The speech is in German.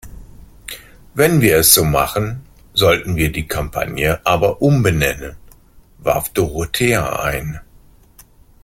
Wenn wir es so machen, sollten wir die Kampagne aber umbenennen, warf Dorothea ein.